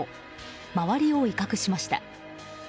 周りを威嚇しました。